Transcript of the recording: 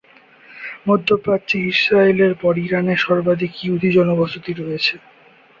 মধ্যপ্রাচ্যে ইসরায়েলের পর ইরানে সর্বাধিক ইহুদি জনবসতি রয়েছে।